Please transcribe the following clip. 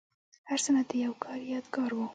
هر سند د یو کار یادګار و.